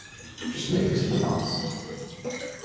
Just make it to the Meuse.